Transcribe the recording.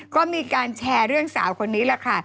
ก็มีการแชร์เรื่องสาวคนนี้แหละค่ะ